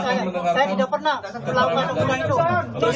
saya tidak pernah berlautan dengan vina itu